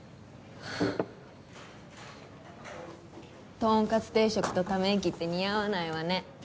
トンカツ定食とため息って似合わないわね